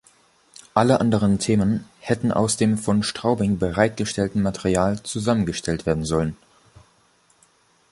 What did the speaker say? Alle anderen Themen hätten aus dem von Straubing bereitgestellten Material zusammengestellt werden sollen.